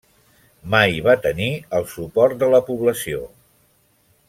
Mai va tenir el suport de la població.